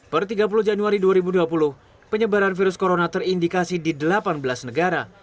per tiga puluh januari dua ribu dua puluh penyebaran virus corona terindikasi di delapan belas negara